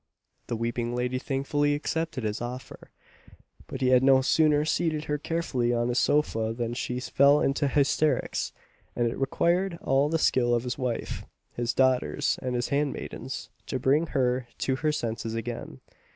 The weeping lady thankfully accepted his offer; but he had no sooner seated her carefully on his sofa than she fell into hysterics, and it required all the skill of his wife, his daughters, and his handmaidens, to bring her to her senses again.